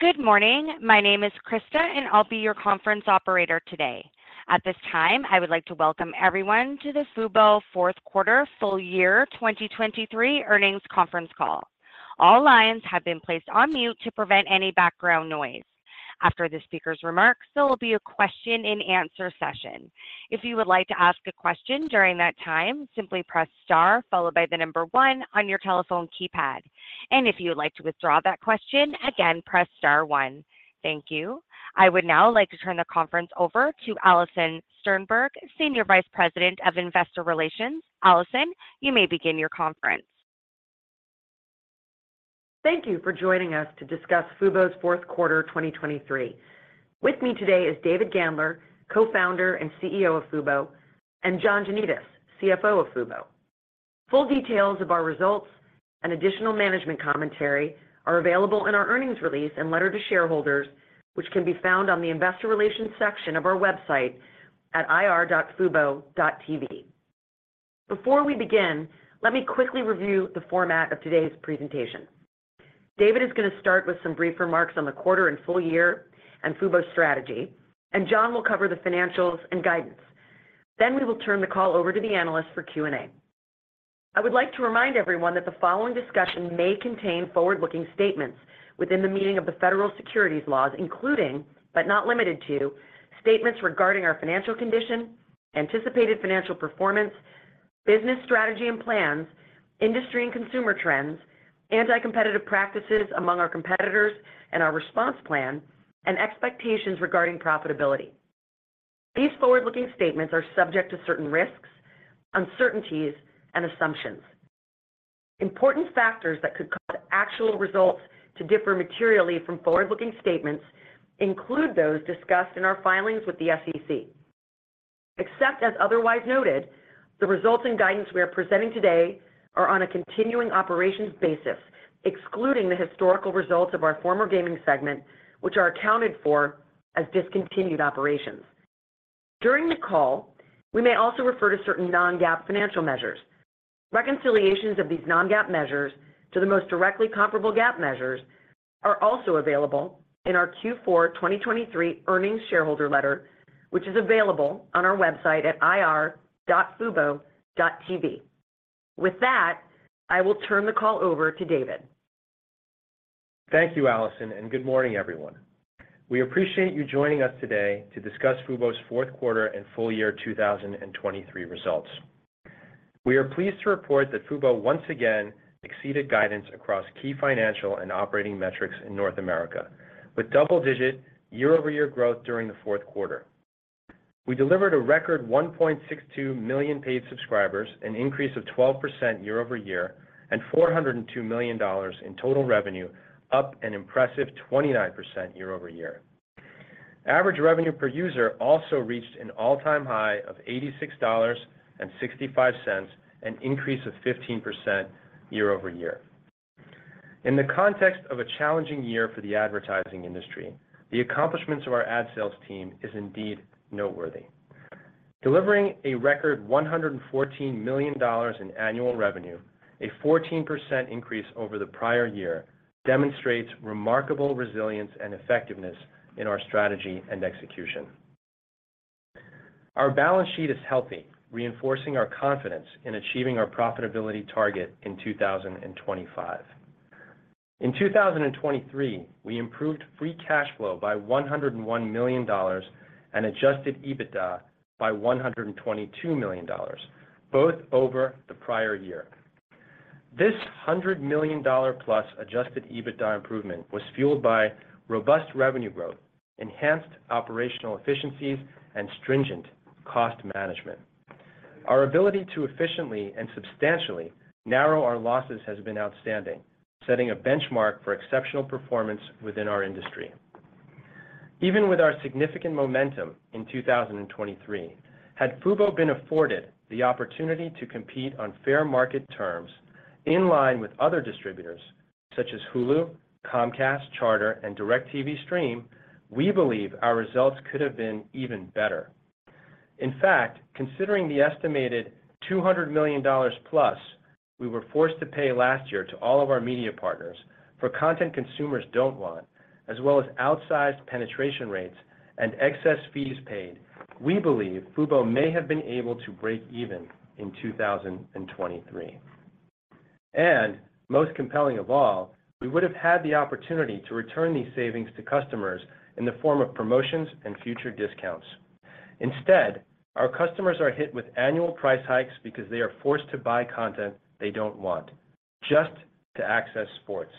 Good morning. My name is Krista, and I'll be your conference operator today. At this time, I would like to welcome everyone to the Fubo Q4 full year 2023 earnings conference call. All lines have been placed on mute to prevent any background noise. After the speaker's remarks, there will be a question-and-answer session. If you would like to ask a question during that time, simply press star followed by the number one on your telephone keypad. And if you would like to withdraw that question, again, press star one. Thank you. I would now like to turn the conference over to Alison Sternberg, Senior Vice President, Investor Relations. Alison, you may begin your conference. Thank you for joining us to discuss Fubo's Q4 2023. With me today is David Gandler, Co-Founder and CEO of Fubo, and John Janedis, CFO of Fubo. Full details of our results and additional management commentary are available in our earnings release and letter to shareholders, which can be found on the Investor Relations section of our website at ir.fubo.tv. Before we begin, let me quickly review the format of today's presentation. David is going to start with some brief remarks on the quarter and full year and Fubo's strategy, and John will cover the financials and guidance. Then we will turn the call over to the analysts for Q&A. I would like to remind everyone that the following discussion may contain forward-looking statements within the meaning of the federal securities laws, including but not limited to statements regarding our financial condition, anticipated financial performance, business strategy and plans, industry and consumer trends, anti-competitive practices among our competitors and our response plan, and expectations regarding profitability. These forward-looking statements are subject to certain risks, uncertainties, and assumptions. Important factors that could cause actual results to differ materially from forward-looking statements include those discussed in our filings with the SEC. Except as otherwise noted, the results and guidance we are presenting today are on a continuing operations basis, excluding the historical results of our former gaming segment, which are accounted for as discontinued operations. During the call, we may also refer to certain non-GAAP financial measures. Reconciliations of these non-GAAP measures to the most directly comparable GAAP measures are also available in our Q4 2023 earnings shareholder letter, which is available on our website at ir.fubo.tv. With that, I will turn the call over to David. Thank you, Alison, and good morning, everyone. We appreciate you joining us today to discuss Fubo's Q4 and full year 2023 results. We are pleased to report that Fubo once again exceeded guidance across key financial and operating metrics in North America with double-digit year-over-year growth during the Q4. We delivered a record 1.62 million paid subscribers, an increase of 12% year-over-year, and $402 million in total revenue, up an impressive 29% year-over-year. Average revenue per user also reached an all-time high of $86.65, an increase of 15% year-over-year. In the context of a challenging year for the advertising industry, the accomplishments of our ad sales team are indeed noteworthy. Delivering a record $114 million in annual revenue, a 14% increase over the prior year, demonstrates remarkable resilience and effectiveness in our strategy and execution. Our balance sheet is healthy, reinforcing our confidence in achieving our profitability target in 2025. In 2023, we improved free cash flow by $101 million and adjusted EBITDA by $122 million, both over the prior year. This $100+ million adjusted EBITDA improvement was fueled by robust revenue growth, enhanced operational efficiencies, and stringent cost management. Our ability to efficiently and substantially narrow our losses has been outstanding, setting a benchmark for exceptional performance within our industry. Even with our significant momentum in 2023, had Fubo been afforded the opportunity to compete on fair market terms in line with other distributors such as Hulu, Comcast, Charter, and DirecTV Stream, we believe our results could have been even better. In fact, considering the estimated $200+ million we were forced to pay last year to all of our media partners for content consumers don't want, as well as outsized penetration rates and excess fees paid, we believe Fubo may have been able to break even in 2023. Most compelling of all, we would have had the opportunity to return these savings to customers in the form of promotions and future discounts. Instead, our customers are hit with annual price hikes because they are forced to buy content they don't want, just to access sports.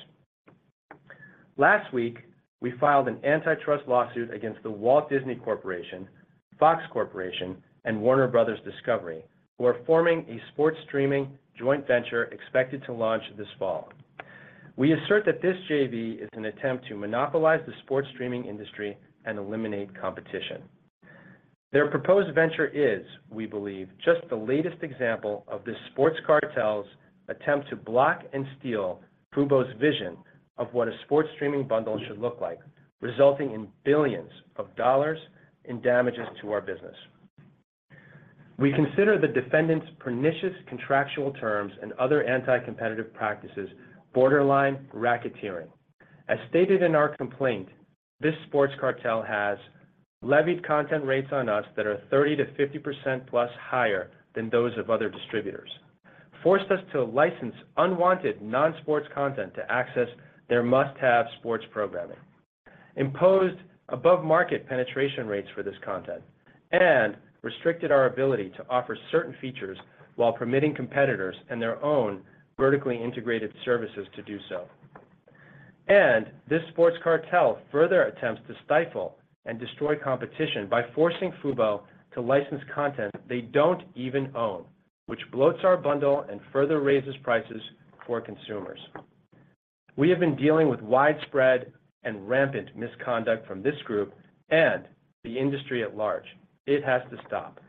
Last week, we filed an antitrust lawsuit against The Walt Disney Company, Fox Corporation, and Warner Bros. Discovery, who are forming a sports streaming joint venture expected to launch this fall. We assert that this JV is an attempt to monopolize the sports streaming industry and eliminate competition. Their proposed venture is, we believe, just the latest example of the sports cartel's attempt to block and steal Fubo's vision of what a sports streaming bundle should look like, resulting in billions of dollars in damages to our business. We consider the defendant's pernicious contractual terms and other anti-competitive practices borderline racketeering. As stated in our complaint, this sports cartel has: levied content rates on us that are 30%-50%+ higher than those of other distributors, forced us to license unwanted non-sports content to access their must-have sports programming, imposed above-market penetration rates for this content, and restricted our ability to offer certain features while permitting competitors and their own vertically integrated services to do so. And this sports cartel further attempts to stifle and destroy competition by forcing Fubo to license content they don't even own, which bloats our bundle and further raises prices for consumers. We have been dealing with widespread and rampant misconduct from this group and the industry at large. It has to stop.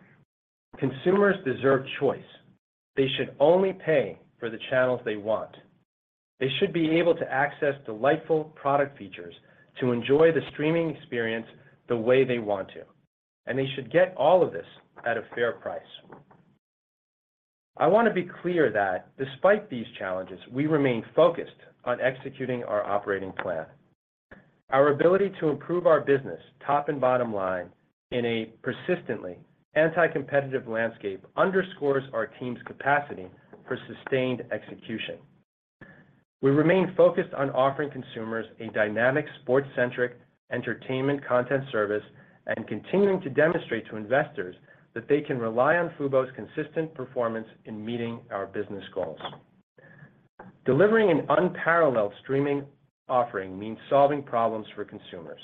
Consumers deserve choice. They should only pay for the channels they want. They should be able to access delightful product features to enjoy the streaming experience the way they want to, and they should get all of this at a fair price. I want to be clear that, despite these challenges, we remain focused on executing our operating plan. Our ability to improve our business, top and bottom line, in a persistently anti-competitive landscape underscores our team's capacity for sustained execution. We remain focused on offering consumers a dynamic, sports-centric entertainment content service and continuing to demonstrate to investors that they can rely on Fubo's consistent performance in meeting our business goals. Delivering an unparalleled streaming offering means solving problems for consumers.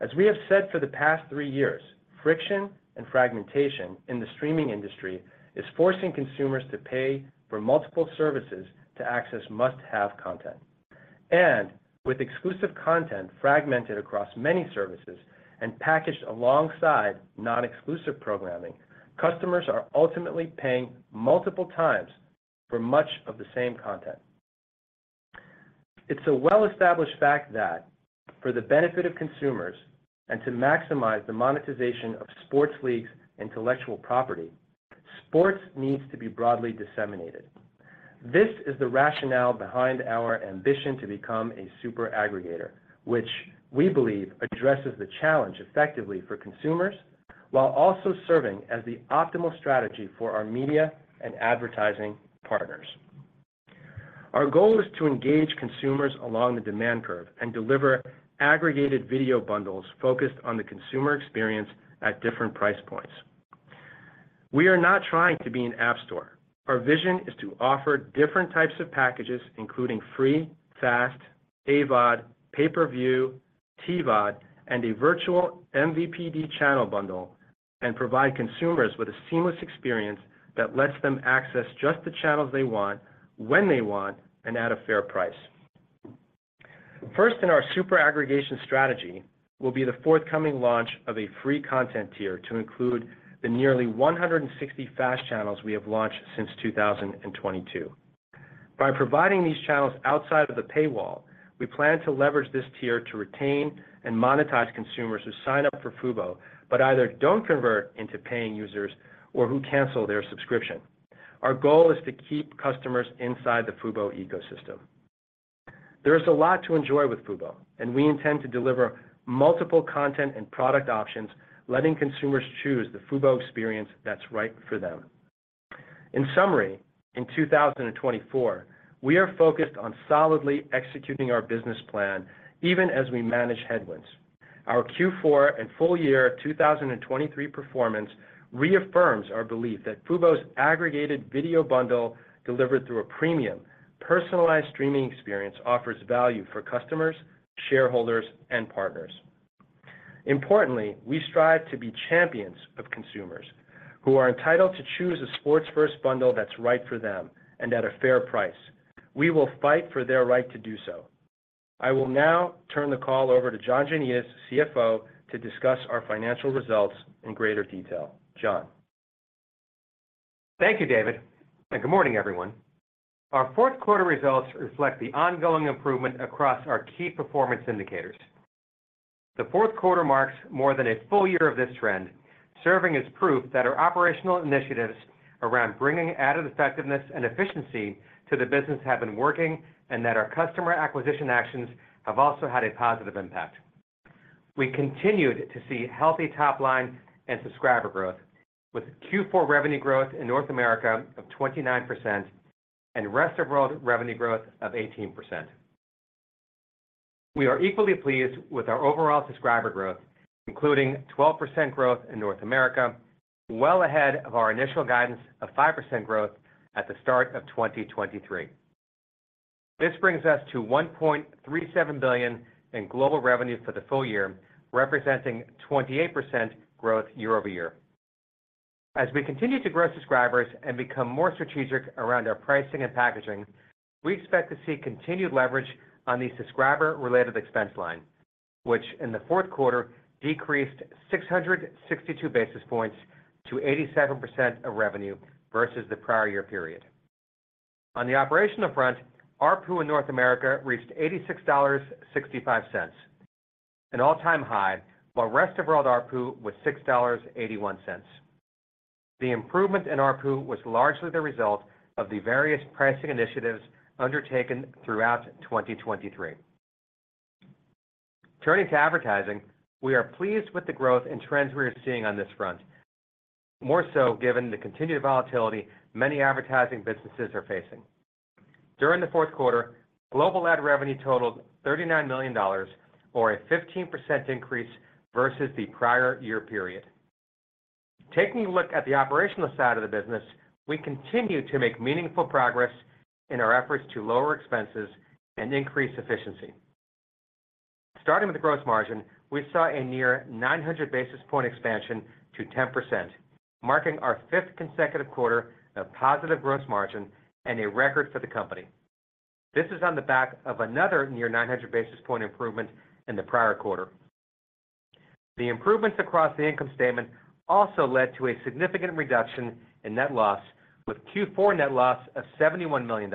As we have said for the past three years, friction and fragmentation in the streaming industry are forcing consumers to pay for multiple services to access must-have content. And with exclusive content fragmented across many services and packaged alongside non-exclusive programming, customers are ultimately paying multiple times for much of the same content. It's a well-established fact that, for the benefit of consumers and to maximize the monetization of sports leagues' intellectual property, sports needs to be broadly disseminated. This is the rationale behind our ambition to become a superaggregator, which we believe addresses the challenge effectively for consumers while also serving as the optimal strategy for our media and advertising partners. Our goal is to engage consumers along the demand curve and deliver aggregated video bundles focused on the consumer experience at different price points. We are not trying to be an app store. Our vision is to offer different types of packages, including free, FAST, AVOD, pay-per-view, TVOD, and a virtual MVPD channel bundle, and provide consumers with a seamless experience that lets them access just the channels they want, when they want, and at a fair price. First in our superaggregation strategy will be the forthcoming launch of a free content tier to include the nearly 160 FAST channels we have launched since 2022. By providing these channels outside of the paywall, we plan to leverage this tier to retain and monetize consumers who sign up for Fubo but either don't convert into paying users or who cancel their subscription. Our goal is to keep customers inside the Fubo ecosystem. There is a lot to enjoy with Fubo, and we intend to deliver multiple content and product options, letting consumers choose the Fubo experience that's right for them. In summary, in 2024, we are focused on solidly executing our business plan even as we manage headwinds. Our Q4 and full year 2023 performance reaffirms our belief that Fubo's aggregated video bundle, delivered through a premium, personalized streaming experience offers value for customers, shareholders, and partners. Importantly, we strive to be champions of consumers, who are entitled to choose a sports-first bundle that's right for them and at a fair price. We will fight for their right to do so. I will now turn the call over to John Janedis, CFO, to discuss our financial results in greater detail. John. Thank you, David, and good morning, everyone. Our Q4 results reflect the ongoing improvement across our key performance indicators. The Q4 marks more than a full year of this trend, serving as proof that our operational initiatives around bringing added effectiveness and efficiency to the business have been working and that our customer acquisition actions have also had a positive impact. We continued to see healthy top-line and subscriber growth, with Q4 revenue growth in North America of 29% and Rest of World revenue growth of 18%. We are equally pleased with our overall subscriber growth, including 12% growth in North America, well ahead of our initial guidance of 5% growth at the start of 2023. This brings us to $1.37 billion in global revenue for the full year, representing 28% growth year-over-year. As we continue to grow subscribers and become more strategic around our pricing and packaging, we expect to see continued leverage on the subscriber-related expense line, which in the Q4 decreased 662 basis points to 87% of revenue versus the prior year period. On the operational front, ARPU in North America reached $86.65, an all-time high, while Rest of World ARPU was $6.81. The improvement in ARPU was largely the result of the various pricing initiatives undertaken throughout 2023. Turning to advertising, we are pleased with the growth and trends we are seeing on this front, more so given the continued volatility many advertising businesses are facing. During the Q4, global ad revenue totaled $39 million, or a 15% increase versus the prior year period. Taking a look at the operational side of the business, we continue to make meaningful progress in our efforts to lower expenses and increase efficiency. Starting with gross margin, we saw a near 900 basis point expansion to 10%, marking our fifth consecutive quarter of positive gross margin and a record for the company. This is on the back of another near 900 basis point improvement in the prior quarter. The improvements across the income statement also led to a significant reduction in net loss, with Q4 net loss of $71 million,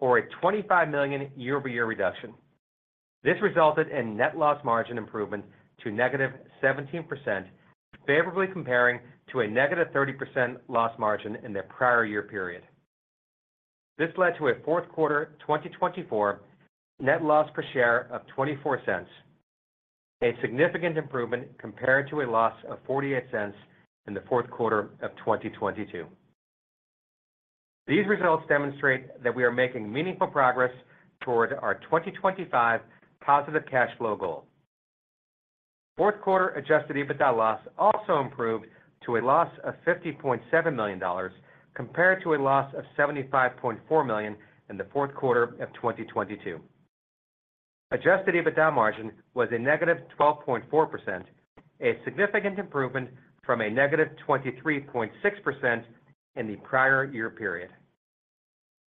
or a $25 million year-over-year reduction. This resulted in net loss margin improvement to -17%, favorably comparing to a -30% loss margin in the prior year period. This led to a Q4 2024 net loss per share of $0.24, a significant improvement compared to a loss of $0.48 in the Q4 of 2022. These results demonstrate that we are making meaningful progress toward our 2025 positive cash flow goal. Q4 adjusted EBITDA loss also improved to a loss of $50.7 million compared to a loss of $75.4 million in the Q4 of 2022. adjusted EBITDA margin was a -12.4%, a significant improvement from a -23.6% in the prior year period.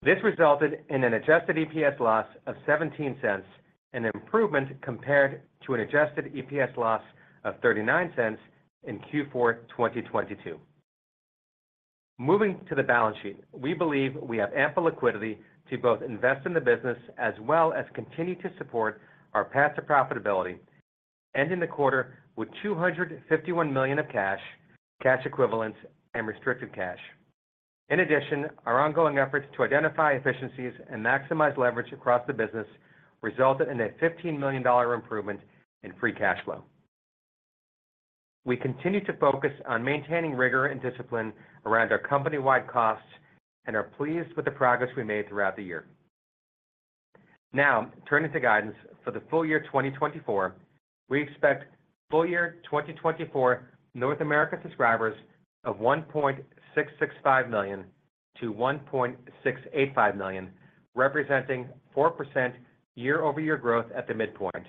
This resulted in an adjusted EPS loss of $0.17, an improvement compared to an adjusted EPS loss of $0.39 in Q4 2022. Moving to the balance sheet, we believe we have ample liquidity to both invest in the business as well as continue to support our path to profitability, ending the quarter with $251 million of cash, cash equivalents, and restricted cash. In addition, our ongoing efforts to identify efficiencies and maximize leverage across the business resulted in a $15 million improvement in free cash flow. We continue to focus on maintaining rigor and discipline around our company-wide costs and are pleased with the progress we made throughout the year. Now, turning to guidance for the full year 2024, we expect full year 2024 North America subscribers of 1.665 million-1.685 million, representing 4% year-over-year growth at the midpoint,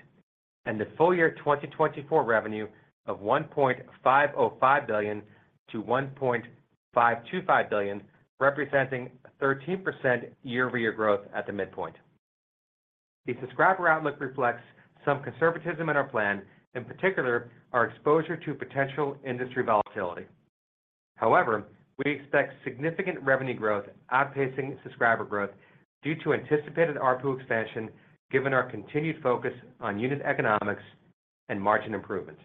and the full year 2024 revenue of $1.505 billion-$1.525 billion, representing 13% year-over-year growth at the midpoint. The subscriber outlook reflects some conservatism in our plan, in particular our exposure to potential industry volatility. However, we expect significant revenue growth outpacing subscriber growth due to anticipated ARPU expansion, given our continued focus on unit economics and margin improvement.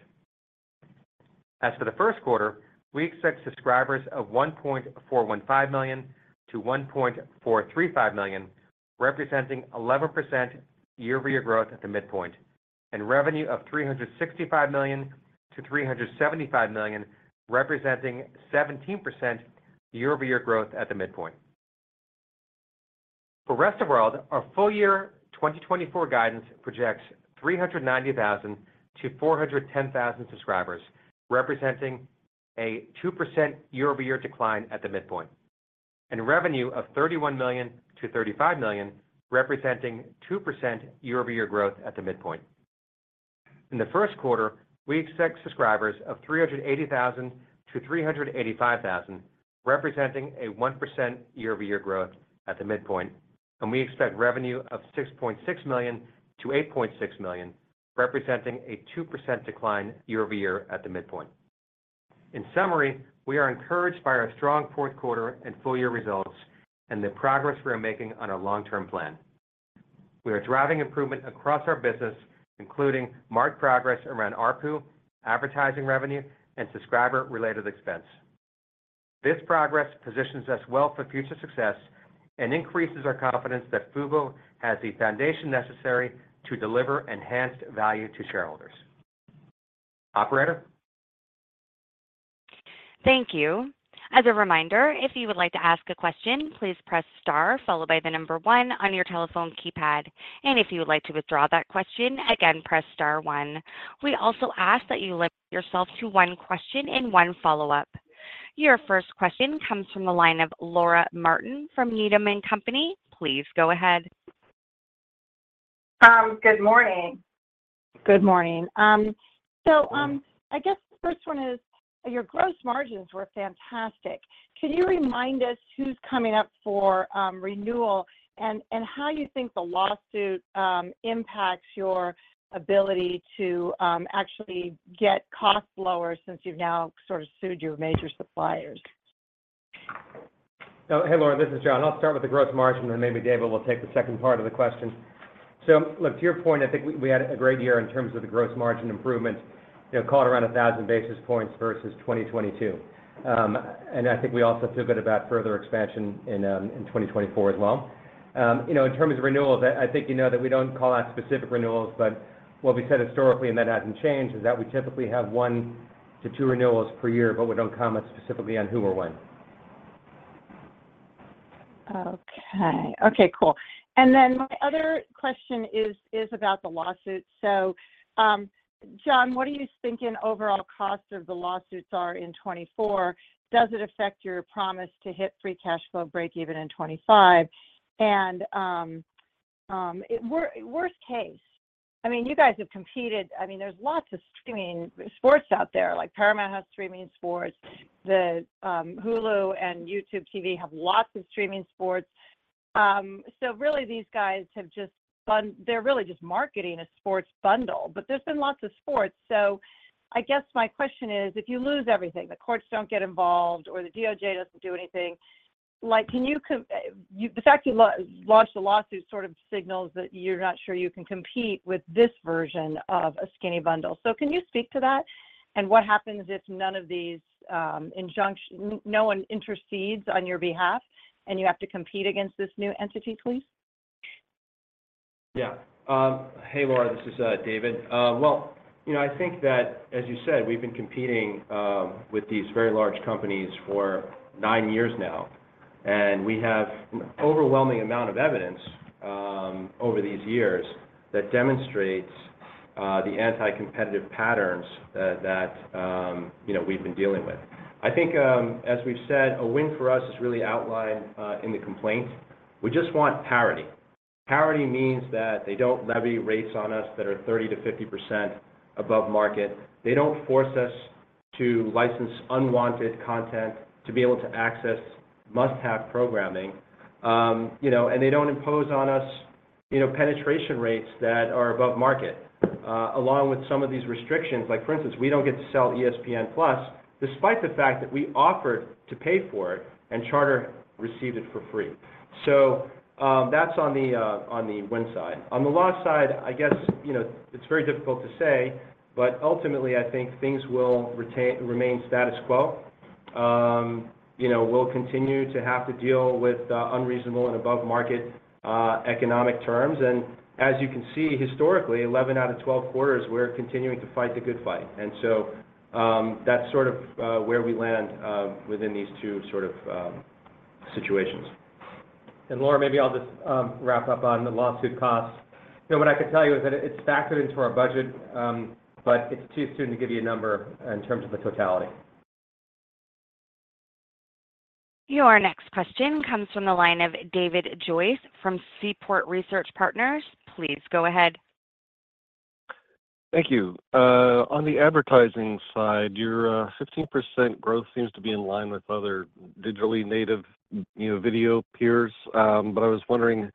As for the Q1, we expect subscribers of 1.415 million-1.435 million, representing 11% year-over-year growth at the midpoint, and revenue of $365 million-$375 million, representing 17% year-over-year growth at the midpoint. For Rest of World, our full year 2024 guidance projects 390,000-410,000 subscribers, representing a 2% year-over-year decline at the midpoint, and revenue of $31 million-$35 million, representing 2% year-over-year growth at the midpoint. In the Q1, we expect subscribers of 380,000-385,000, representing a 1% year-over-year growth at the midpoint, and we expect revenue of $6.6 million-$8.6 million, representing a 2% year-over-year decline at the midpoint. In summary, we are encouraged by our strong Q4 and full-year results and the progress we are making on our long-term plan. We are driving improvement across our business, including marked progress around ARPU, advertising revenue, and subscriber-related expense. This progress positions us well for future success and increases our confidence that fubo has the foundation necessary to deliver enhanced value to shareholders. Operator. Thank you. As a reminder, if you would like to ask a question, please press star followed by the number one on your telephone keypad. If you would like to withdraw that question, again, press star one. We also ask that you limit yourself to one question and one follow-up. Your first question comes from the line of Laura Martin from Needham & Company. Please go ahead. Good morning. Good morning. I guess the first one is your gross margins were fantastic. Can you remind us who's coming up for renewal and how you think the lawsuit impacts your ability to actually get costs lower since you've now sort of sued your major suppliers? Hey, Laura. This is John. I'll start with the gross margin, and then maybe David will take the second part of the question. So, look, to your point, I think we had a great year in terms of the gross margin improvement, caught around 1,000 basis points versus 2022. And I think we also feel good about further expansion in 2024 as well. In terms of renewals, I think that we don't call out specific renewals, but what we said historically, and that hasn't changed, is that we typically have one to two renewals per year, but we don't comment specifically on who or when. Okay, cool. And then my other question is about the lawsuit. So, John, what are you thinking overall costs of the lawsuits are in 2024? Does it affect your promise to hit free cash flow breakeven in 2025? And worst case, I mean, you guys have competed. I mean, there's lots of streaming sports out there. Paramount has streaming sports. Hulu and YouTube TV have lots of streaming sports. So really, these guys have just they're really just marketing a sports bundle, but there's been lots of sports. So I guess my question is, if you lose everything, the courts don't get involved, or the DOJ doesn't do anything, can you the fact you launched the lawsuit sort of signals that you're not sure you can compete with this version of a skinny bundle. Can you speak to that and what happens if no one intercedes on your behalf and you have to compete against this new entity, please? Yeah. Hey, Laura. This is David. Well, I think that, as you said, we've been competing with these very large companies for nine years now, and we have an overwhelming amount of evidence over these years that demonstrates the anti-competitive patterns that we've been dealing with. I think, as we've said, a win for us is really outlined in the complaint. We just want parity. Parity means that they don't levy rates on us that are 30%-50% above market. They don't force us to license unwanted content to be able to access must-have programming. And they don't impose on us penetration rates that are above market, along with some of these restrictions. For instance, we don't get to sell ESPN+ despite the fact that we offered to pay for it, and Charter received it for free. So that's on the win side. On the loss side, I guess it's very difficult to say, but ultimately, I think things will remain status quo. We'll continue to have to deal with unreasonable and above-market economic terms. And as you can see, historically, 11 out of 12 quarters, we're continuing to fight the good fight. And so that's sort of where we land within these two sort of situations. And Laura, maybe I'll just wrap up on the lawsuit costs. What I could tell you is that it's factored into our budget, but it's too soon to give you a number in terms of the totality. Your next question comes from the line of David Joyce from Seaport Research Partners. Please go ahead. Thank you. On the advertising side, your 15% growth seems to be in line with other digitally native video peers. But I was wondering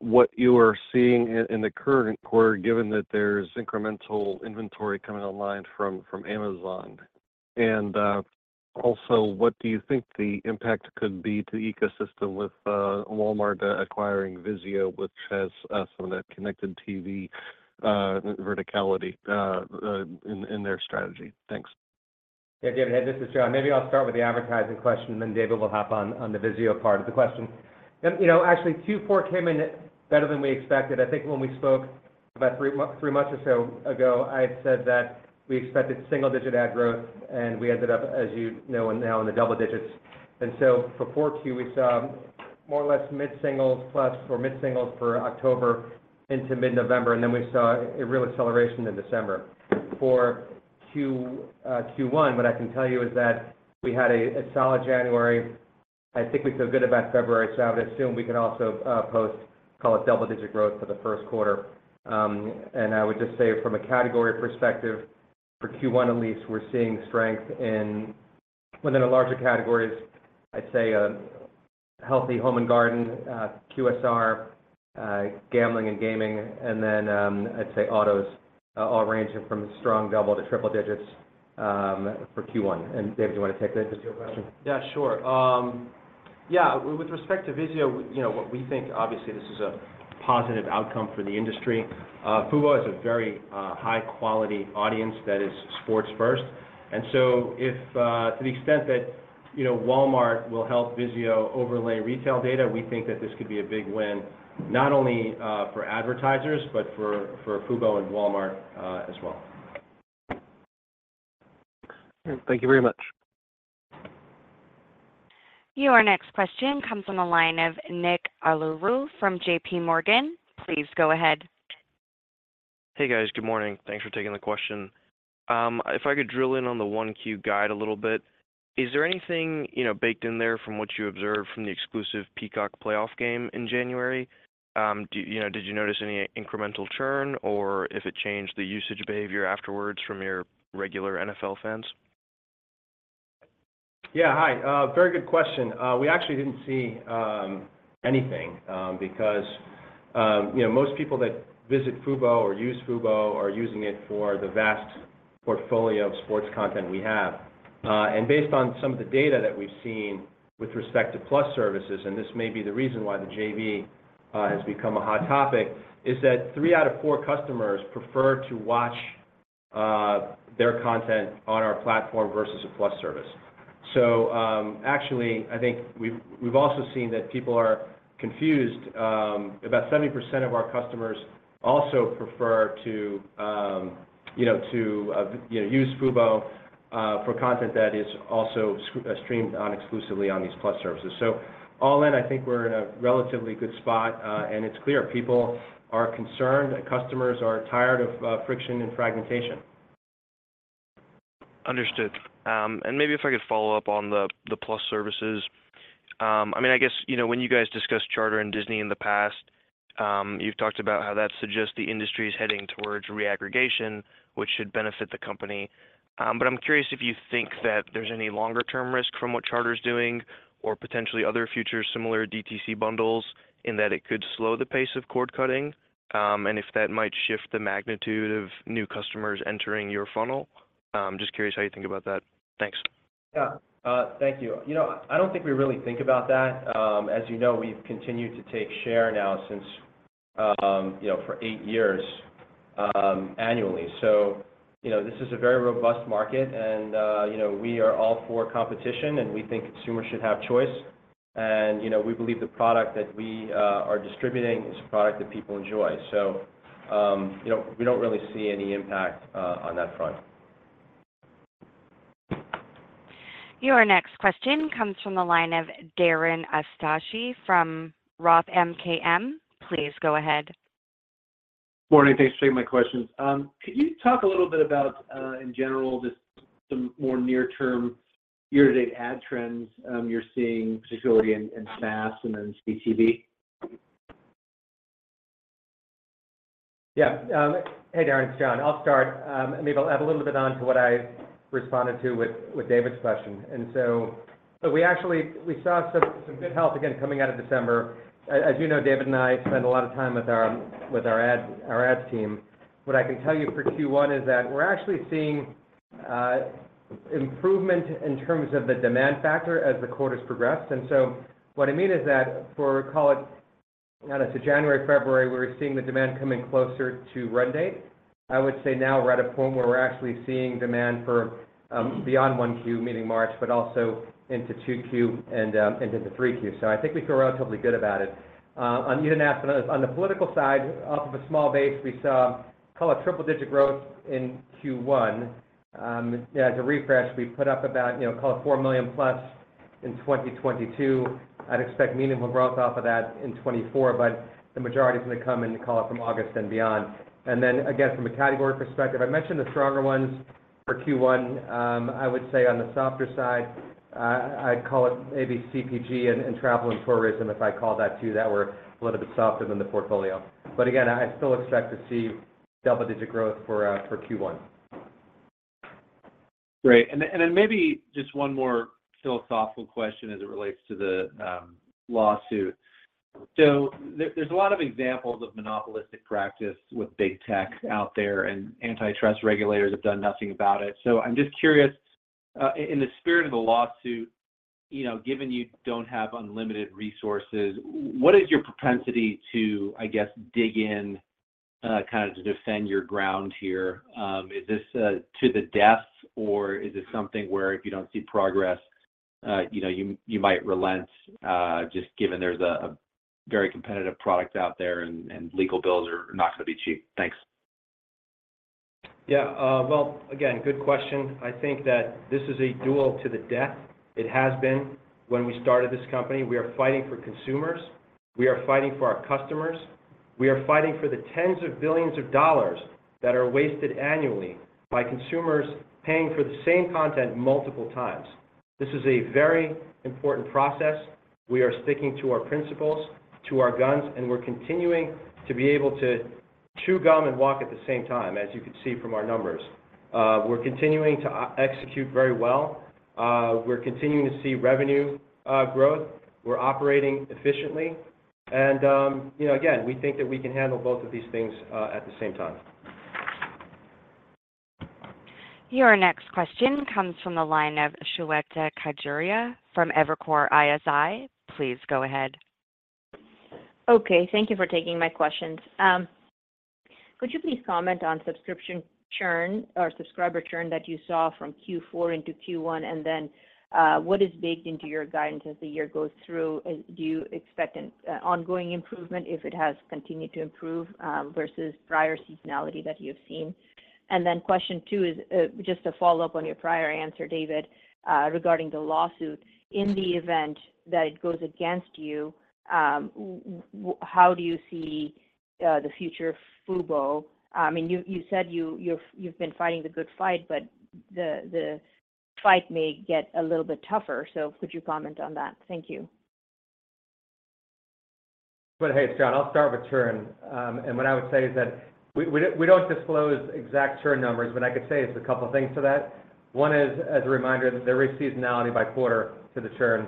what you are seeing in the current quarter, given that there's incremental inventory coming online from Amazon. And also, what do you think the impact could be to the ecosystem with Walmart acquiring Vizio, which has some of that connected TV verticality in their strategy? Thanks. Yeah, David. Hey, this is John. Maybe I'll start with the advertising question, and then David will hop on the Vizio part of the question. Actually, Q4 came in better than we expected. I think when we spoke about three months or so ago, I had said that we expected single-digit ad growth, and we ended up, as you know, now in the double digits. And so for Q4, we saw more or less mid-singles plus or mid-singles for October into mid-November, and then we saw a real acceleration in December. For Q1, what I can tell you is that we had a solid January. I think we feel good about February, so I would assume we could also post, call it, double-digit growth for the Q1. I would just say, from a category perspective, for Q1 at least, we're seeing strength within the larger categories, I'd say Healthy Home and Garden, QSR, Gambling and Gaming, and then I'd say Autos, all ranging from strong double-to-triple-digit for Q1. David, do you want to take that to your question? Yeah, sure. Yeah, with respect to Vizio, what we think, obviously, this is a positive outcome for the industry. Fubo is a very high-quality audience that is sports-first. And so to the extent that Walmart will help Vizio overlay retail data, we think that this could be a big win, not only for advertisers, but for Fubo and Walmart as well. Thank you very much. Your next question comes from the line of Nik Aluru from JPMorgan. Please go ahead. Hey, guys. Good morning. Thanks for taking the question. If I could drill in on the Q1 guide a little bit, is there anything baked in there from what you observed from the exclusive Peacock playoff game in January? Did you notice any incremental churn or if it changed the usage behavior afterwards from your regular NFL fans? Yeah, hi. Very good question. We actually didn't see anything because most people that visit Fubo or use Fubo are using it for the vast portfolio of sports content we have. And based on some of the data that we've seen with respect to plus services, and this may be the reason why the JV has become a hot topic, is that 3 out of 4 customers prefer to watch their content on our platform versus a Plus service. So actually, I think we've also seen that people are confused. About 70% of our customers also prefer to use Fubo for content that is also streamed exclusively on these plus services. So all in, I think we're in a relatively good spot, and it's clear people are concerned. Customers are tired of friction and fragmentation. Understood. And maybe if I could follow up on the plus services. I mean, I guess when you guys discussed Charter and Disney in the past, you've talked about how that suggests the industry is heading towards reaggregation, which should benefit the company. But I'm curious if you think that there's any longer-term risk from what Charter's doing or potentially other future similar DTC bundles in that it could slow the pace of cord cutting and if that might shift the magnitude of new customers entering your funnel. Just curious how you think about that. Thanks. Yeah, thank you. I don't think we really think about that. As you know, we've continued to take share now for eight years annually. So this is a very robust market, and we are all for competition, and we think consumers should have choice. And we believe the product that we are distributing is a product that people enjoy. So we don't really see any impact on that front. Your next question comes from the line of Darren Aftahi from ROTH MKM. Please go ahead. Morning. Thanks for taking my questions. Could you talk a little bit about, in general, just some more near-term year-to-date ad trends you're seeing, particularly in SaaS and then CTV? Yeah. Hey, Darren. It's John. I'll start. Maybe I'll add a little bit on to what I responded to with David's question. So we saw some good health, again, coming out of December. As you know, David and I spend a lot of time with our ads team. What I can tell you for Q1 is that we're actually seeing improvement in terms of the demand factor as the quarters progressed. So what I mean is that for, call it, I don't know, say January, February, we were seeing the demand coming closer to run date. I would say now we're at a point where we're actually seeing demand beyond Q1 meaning March, but also into Q2 and into Q3. So I think we feel relatively good about it. You didn't ask, but on the political side, off of a small base, we saw, call it, triple-digit growth in Q1. As a refresh, we put up about, call it, $4+ million in 2022. I'd expect meaningful growth off of that in 2024, but the majority is going to come, call it, from August and beyond. And then again, from a category perspective, I mentioned the stronger ones for Q1. I would say on the softer side, I'd call it maybe CPG and travel and tourism, if I call that too, that were a little bit softer than the portfolio. But again, I still expect to see double-digit growth for Q1. Great. And then maybe just one more philosophical question as it relates to the lawsuit. So there's a lot of examples of monopolistic practice with big tech out there, and antitrust regulators have done nothing about it. So I'm just curious, in the spirit of the lawsuit, given you don't have unlimited resources, what is your propensity to, I guess, dig in kind of to defend your ground here? Is this to the death, or is this something where if you don't see progress, you might relent, just given there's a very competitive product out there and legal bills are not going to be cheap? Thanks. Yeah. Well, again, good question. I think that this is a duel to the death. It has been when we started this company. We are fighting for consumers. We are fighting for our customers. We are fighting for the tens of billions of dollars that are wasted annually by consumers paying for the same content multiple times. This is a very important process. We are sticking to our principles, to our guns, and we're continuing to be able to chew gum and walk at the same time, as you can see from our numbers. We're continuing to execute very well. We're continuing to see revenue growth. We're operating efficiently. And again, we think that we can handle both of these things at the same time. Your next question comes from the line of Shweta Khajuria from Evercore ISI. Please go ahead. Okay. Thank you for taking my questions. Could you please comment on subscription churn or subscriber churn that you saw from Q4 into Q1, and then what is baked into your guidance as the year goes through? Do you expect ongoing improvement if it has continued to improve versus prior seasonality that you have seen? And then question two is just a follow-up on your prior answer, David, regarding the lawsuit. In the event that it goes against you, how do you see the future of Fubo? I mean, you said you've been fighting the good fight, but the fight may get a little bit tougher. So could you comment on that? Thank you. Hey, it's John. I'll start with churn. What I would say is that we don't disclose exact churn numbers, but I could say just a couple of things to that. One is, as a reminder, there is seasonality by quarter to the churn.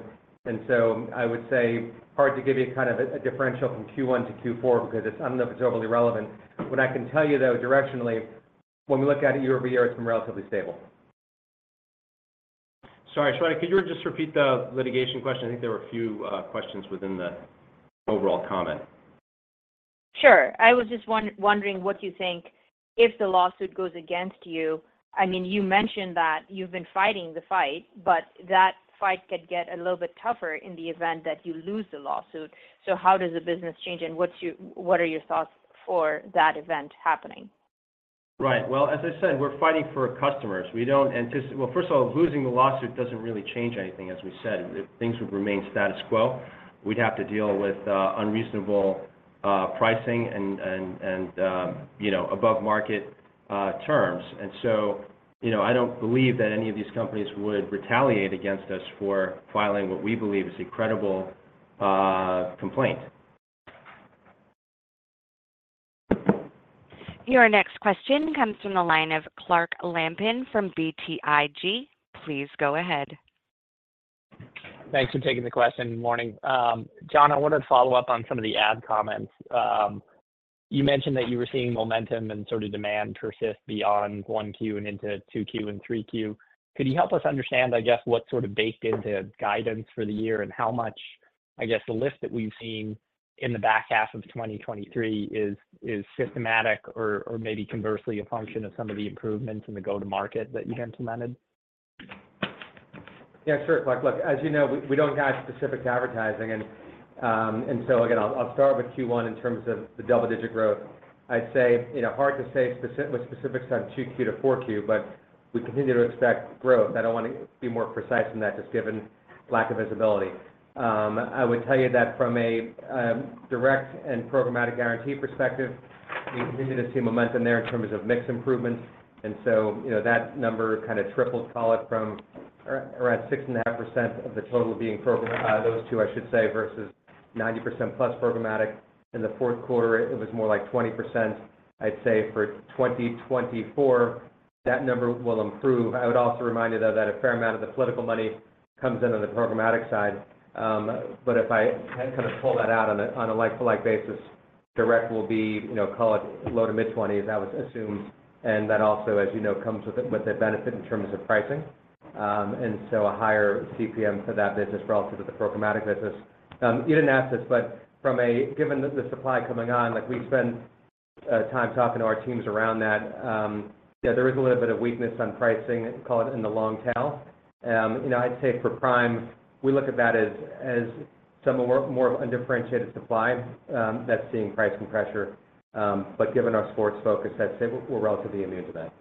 So I would say hard to give you kind of a differential from Q1-Q4 because I don't know if it's overly relevant. What I can tell you, though, directionally, when we look at it year-over-year, it's been relatively stable. Sorry, Shweta, could you just repeat the litigation question? I think there were a few questions within the overall comment. Sure. I was just wondering what you think if the lawsuit goes against you. I mean, you mentioned that you've been fighting the fight, but that fight could get a little bit tougher in the event that you lose the lawsuit. So how does the business change, and what are your thoughts for that event happening? Right. Well, as I said, we're fighting for customers. Well, first of all, losing the lawsuit doesn't really change anything, as we said. Things would remain status quo. We'd have to deal with unreasonable pricing and above-market terms. And so I don't believe that any of these companies would retaliate against us for filing what we believe is a credible complaint. Your next question comes from the line of Clark Lampen from BTIG. Please go ahead. Thanks for taking the question. Good morning. John, I wanted to follow up on some of the ad comments. You mentioned that you were seeing momentum and sort of demand persist beyond Q1 and into Q2 and Q3. Could you help us understand, I guess, what's sort of baked into guidance for the year and how much, I guess, the lift that we've seen in the back half of 2023 is systematic or maybe conversely a function of some of the improvements in the go-to-market that you've implemented? Yeah, sure. Look, as you know, we don't have specific advertising. So again, I'll start with Q1 in terms of the double-digit growth. I'd say hard to say with specifics on Q2-Q4, but we continue to expect growth. I don't want to be more precise than that, just given lack of visibility. I would tell you that from a direct and programmatic guaranteed perspective, we continue to see momentum there in terms of mix improvements. And so that number kind of tripled, call it, from around 6.5% of the total being those two, I should say, versus 90%+ programmatic. In the Q4, it was more like 20%. I'd say for 2024, that number will improve. I would also remind you, though, that a fair amount of the political money comes in on the programmatic side. But if I kind of pull that out on a like-for-like basis, direct will be, call it, low to mid-20%. That was assumed. And that also, as you know, comes with a benefit in terms of pricing and so a higher CPM for that business relative to the programmatic business. You didn't ask this, but given the supply coming on, we spend time talking to our teams around that. There is a little bit of weakness on pricing, call it, in the long tail. I'd say for prime, we look at that as some more of undifferentiated supply that's seeing pricing pressure. But given our sports focus, I'd say we're relatively immune to that.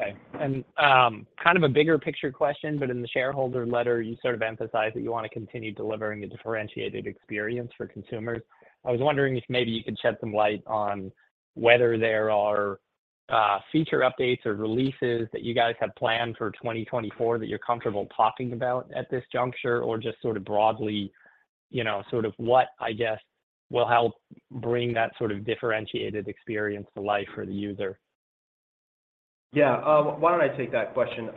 Okay. Kind of a bigger picture question, but in the shareholder letter, you sort of emphasize that you want to continue delivering a differentiated experience for consumers. I was wondering if maybe you could shed some light on whether there are feature updates or releases that you guys have planned for 2024 that you're comfortable talking about at this juncture or just sort of broadly, sort of what, I guess, will help bring that sort of differentiated experience to life for the user? Yeah. Why don't I take that question?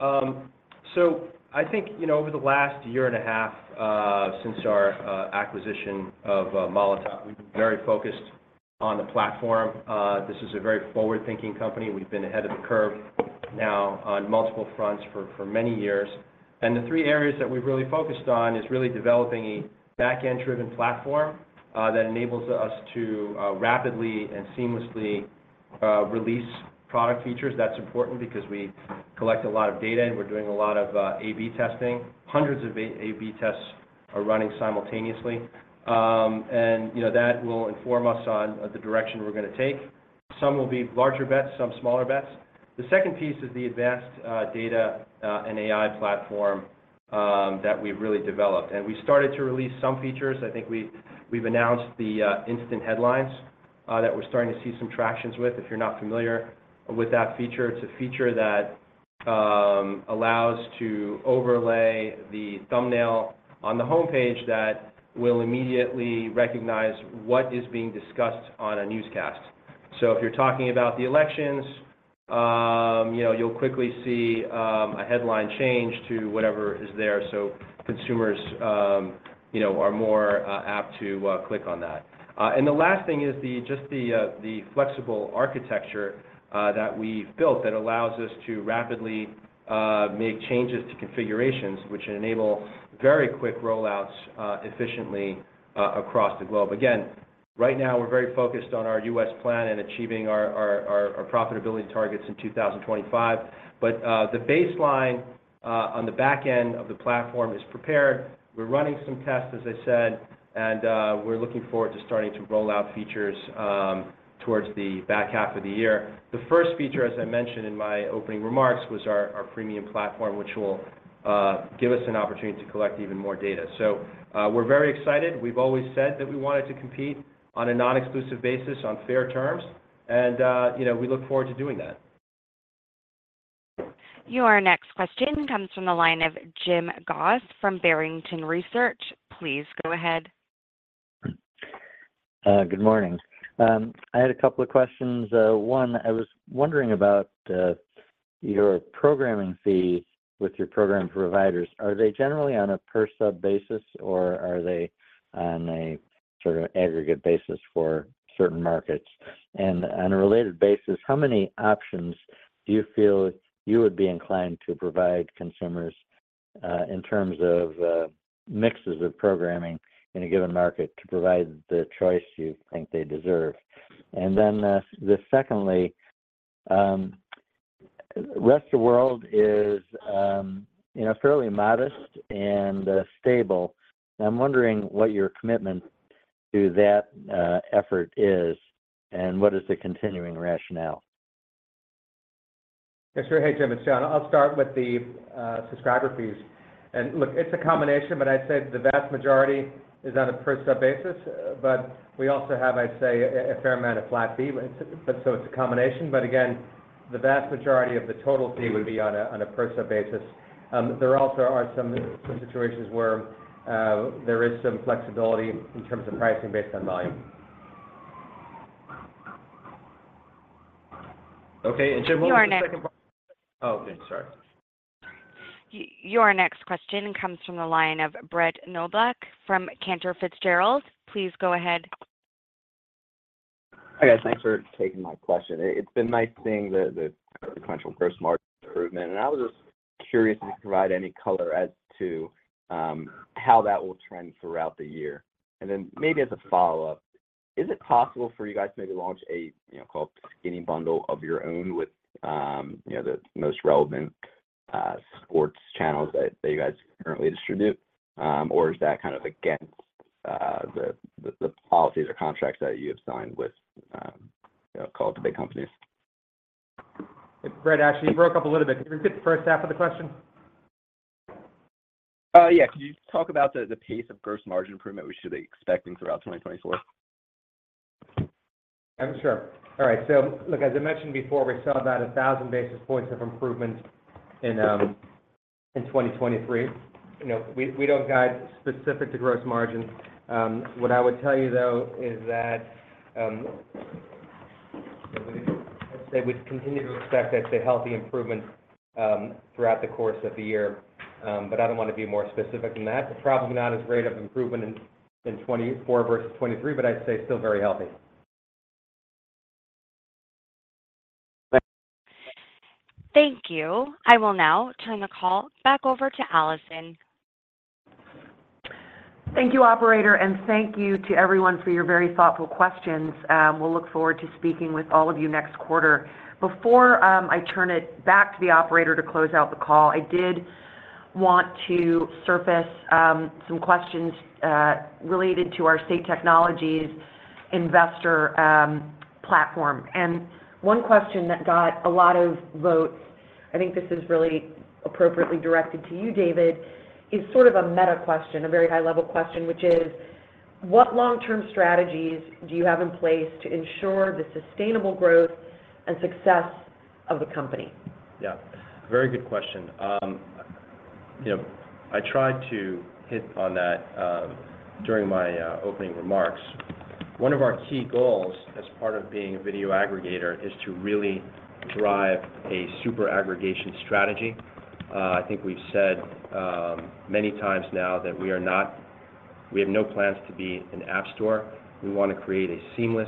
So I think over the last year and a half since our acquisition of Molotov, we've been very focused on the platform. This is a very forward-thinking company. We've been ahead of the curve now on multiple fronts for many years. And the three areas that we've really focused on is really developing a backend-driven platform that enables us to rapidly and seamlessly release product features. That's important because we collect a lot of data, and we're doing a lot of A/B testing. Hundreds of A/B tests are running simultaneously. And that will inform us on the direction we're going to take. Some will be larger bets, some smaller bets. The second piece is the advanced data and AI platform that we've really developed. And we started to release some features. I think we've announced the Instant Headlines that we're starting to see some traction with. If you're not familiar with that feature, it's a feature that allows to overlay the thumbnail on the homepage that will immediately recognize what is being discussed on a newscast. So if you're talking about the elections, you'll quickly see a headline change to whatever is there. So consumers are more apt to click on that. And the last thing is just the flexible architecture that we've built that allows us to rapidly make changes to configurations, which enable very quick rollouts efficiently across the globe. Again, right now, we're very focused on our U.S. plan and achieving our profitability targets in 2025. But the baseline on the back end of the platform is prepared. We're running some tests, as I said, and we're looking forward to starting to roll out features towards the back half of the year. The first feature, as I mentioned in my opening remarks, was our premium platform, which will give us an opportunity to collect even more data. So we're very excited. We've always said that we wanted to compete on a non-exclusive basis, on fair terms. And we look forward to doing that. Your next question comes from the line of Jim Goss from Barrington Research. Please go ahead. Good morning. I had a couple of questions. One, I was wondering about your programming fees with your program providers. Are they generally on a per-sub basis, or are they on a sort of aggregate basis for certain markets? And on a related basis, how many options do you feel you would be inclined to provide consumers in terms of mixes of programming in a given market to provide the choice you think they deserve? And then secondly, the rest of the world is fairly modest and stable. I'm wondering what your commitment to that effort is and what is the continuing rationale. Yeah, sure. Hey, Jim. It's John. I'll start with the subscriber fees. Look, it's a combination, but I'd say the vast majority is on a per-sub basis. We also have, I'd say, a fair amount of flat fee. It's a combination. Again, the vast majority of the total fee would be on a per-sub basis. There also are some situations where there is some flexibility in terms of pricing based on volume. Okay. And Jim. One second. Oh, okay. Sorry. Your next question comes from the line of Brett Knoblauch from Cantor Fitzgerald. Please go ahead. Hi guys. Thanks for taking my question. It's been nice seeing the sequential gross margin improvement. I was just curious if you could provide any color as to how that will trend throughout the year. Then maybe as a follow-up, is it possible for you guys to maybe launch a so-called skinny bundle of your own with the most relevant sports channels that you guys currently distribute, or is that kind of against the policies or contracts that you have signed with, call it, the big companies? Brett, actually, you broke up a little bit. Can you repeat the first half of the question? Yeah. Could you talk about the pace of gross margin improvement we should be expecting throughout 2024? Sure. All right. So look, as I mentioned before, we saw about 1,000 basis points of improvement in 2023. We don't guide specific to gross margin. What I would tell you, though, is that I'd say we'd continue to expect, I'd say, healthy improvements throughout the course of the year. But I don't want to be more specific than that. Probably not as rate of improvement in 2024 versus 2023, but I'd say still very healthy. Thank you. I will now turn the call back over to Alison. Thank you, Operator. Thank you to everyone for your very thoughtful questions. We'll look forward to speaking with all of you next quarter. Before I turn it back to the Operator to close out the call, I did want to surface some questions related to our Say Technologies investor platform. One question that got a lot of votes, I think this is really appropriately directed to you, David, is sort of a meta question, a very high-level question, which is, what long-term strategies do you have in place to ensure the sustainable growth and success of the company? Yeah. Very good question. I tried to hit on that during my opening remarks. One of our key goals as part of being a video aggregator is to really drive a super aggregation strategy. I think we've said many times now that we have no plans to be an app store. We want to create a seamless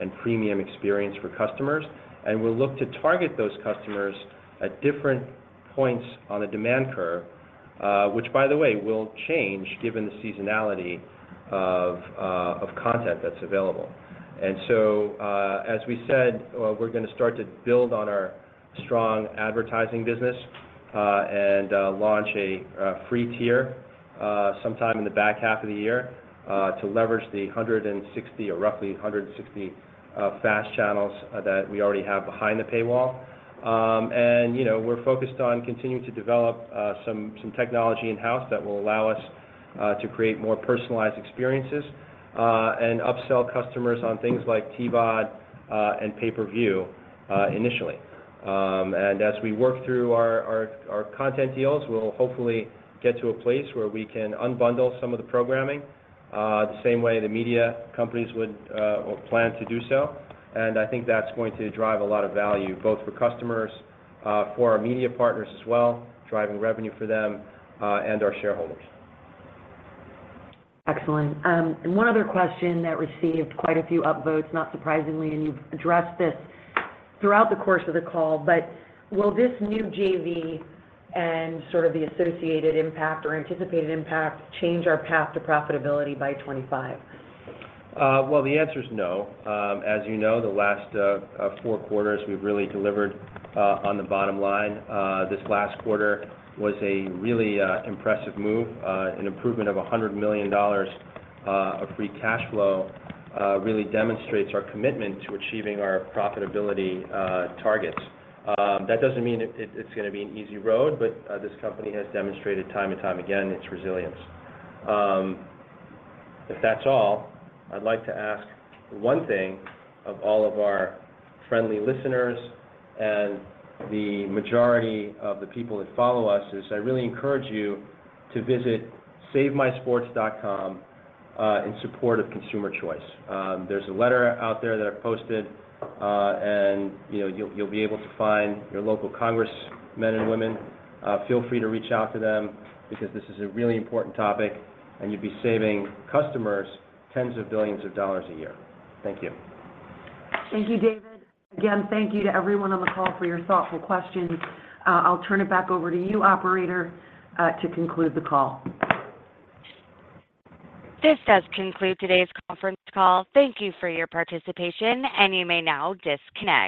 and premium experience for customers. And we'll look to target those customers at different points on the demand curve, which, by the way, will change given the seasonality of content that's available. And so as we said, we're going to start to build on our strong advertising business and launch a free tier sometime in the back half of the year to leverage the 160 or roughly 160 FAST channels that we already have behind the paywall. We're focused on continuing to develop some technology in-house that will allow us to create more personalized experiences and upsell customers on things like TVOD and pay-per-view initially. As we work through our content deals, we'll hopefully get to a place where we can unbundle some of the programming the same way the media companies would plan to do so. I think that's going to drive a lot of value both for customers, for our media partners as well, driving revenue for them, and our shareholders. Excellent. One other question that received quite a few upvotes, not surprisingly, and you've addressed this throughout the course of the call. Will this new JV and sort of the associated impact or anticipated impact change our path to profitability by 2025? Well, the answer is no. As you know, the last four quarters, we've really delivered on the bottom line. This last quarter was a really impressive move. An improvement of $100 million of free cash flow really demonstrates our commitment to achieving our profitability targets. That doesn't mean it's going to be an easy road, but this company has demonstrated time and time again its resilience. If that's all, I'd like to ask one thing of all of our friendly listeners and the majority of the people that follow us is I really encourage you to visit savemysports.com in support of consumer choice. There's a letter out there that I've posted, and you'll be able to find your local congressmen and women. Feel free to reach out to them because this is a really important topic, and you'd be saving customers tens of billions of dollars a year. Thank you. Thank you, David. Again, thank you to everyone on the call for your thoughtful questions. I'll turn it back over to you, operator, to conclude the call. This does conclude today's conference call. Thank you for your participation, and you may now disconnect.